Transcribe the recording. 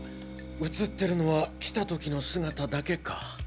映ってるのは来た時の姿だけか。